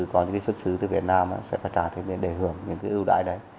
có những cái xuất xứ từ việt nam sẽ phải trả thêm để hưởng những cái ưu đãi đấy